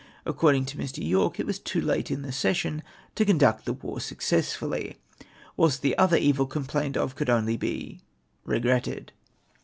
According to Mr. Yorke, it was too late in the session to conduct the war suc cessfully, whilst the other evil complained of could only be " reoTctted